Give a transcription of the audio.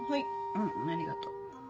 うんありがとう。